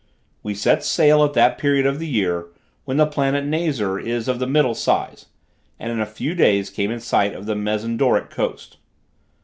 We set sail at that period of the year, when the planet Nazar is of the middle size, and in a few days came in sight of the Mezendoric coast.